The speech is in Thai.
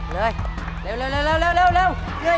เรื่อยเร็วเรื่อย